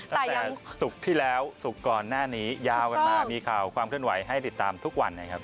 ตั้งแต่ศุกร์ที่แล้วศุกร์ก่อนหน้านี้ยาวกันมามีข่าวความเคลื่อนไหวให้ติดตามทุกวันนะครับ